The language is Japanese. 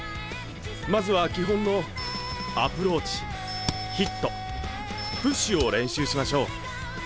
まずは基本のアプローチヒットプッシュを練習しましょう。